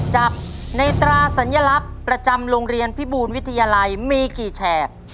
จากในตราสัญลักษณ์ประจำโรงเรียนพิบูลวิทยาลัยมีกี่แฉก